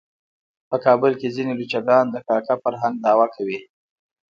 په کابل کې ځینې لچکان د کاکه فرهنګ دعوه کوي.